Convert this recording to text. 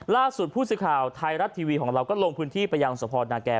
ล่าสุดผู้สื่อข่าวไทยรัฐทีวีของเราก็ลงพื้นที่ไปยังสภนาแก่